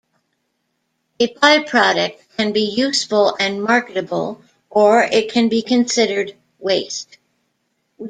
A by-product can be useful and marketable or it can be considered waste.